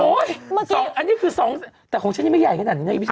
โอ๊ยเมื่อกี๊อันนี้คือสองแสนแต่ของฉันยังไม่ใหญ่ขนาดนี้นะครับพี่พี่ชม